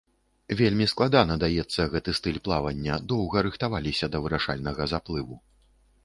Вельмі складана даецца гэты стыль плавання, доўга рыхтаваліся да вырашальнага заплыву.